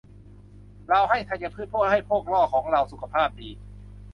เราให้ธัญพืชเพื่อให้พวกล่อของเราสุขภาพดี